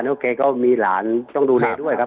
แล้วแกก็มีหลานต้องดูแลด้วยครับ